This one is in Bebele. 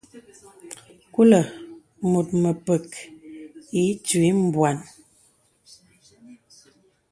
Kulə̀ mùt mèpèk ì itwi bwàn.